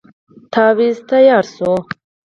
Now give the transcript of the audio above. تاويذ تیار شو.